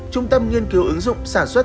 trung tâm nghiên cứu ứng dụng sản xuất